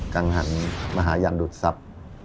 กังหันมหายันดุศัพท์